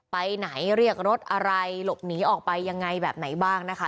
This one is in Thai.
ไปไหนเรียกรถอะไรหลบหนีออกไปยังไงแบบไหนบ้างนะคะ